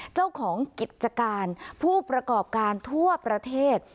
เจ้าของกิจการผู้ประกอบการทั่วประเทศ